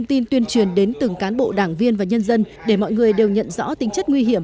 tuyên truyền đến từng cán bộ đảng viên và nhân dân để mọi người đều nhận rõ tính chất nguy hiểm